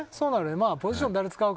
まあポジション誰使うか。